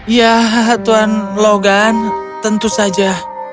ya tuhan logan tentu saja